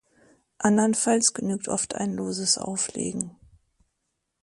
Andernfalls genügt oft ein loses Auflegen.